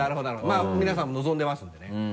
まぁ皆さんも望んでますんでね。